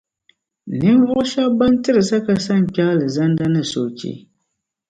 Ninvuɣu shεba ban tiri zaka sa n kpε Alizanda ni soochi.